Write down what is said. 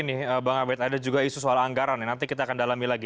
terima kasih bang abed ada juga isu soal anggaran nanti kita akan dalami lagi